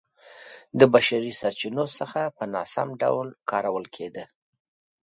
د بشري سرچینو څخه په ناسم ډول کارول کېده